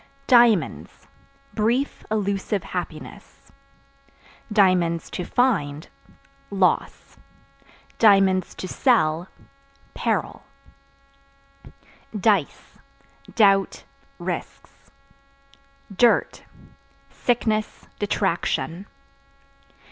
Diamonds Brief, illusive happiness; (to find) loss; (to sell) peril. Dice Doubt, risks. Dirt Sickness, detraction.